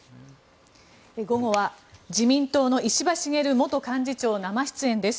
午後は自民党の石破茂元幹事長生出演です。